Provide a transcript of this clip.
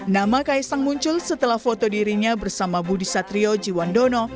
nama kaisang muncul setelah foto dirinya bersama budi satrio jiwandono